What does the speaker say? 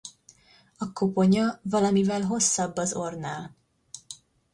A koponya valamivel hosszabb az orrnál.